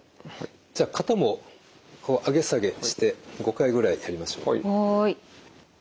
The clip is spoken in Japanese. じゃあ肩もこう上げ下げして５回ぐらいやりましょう。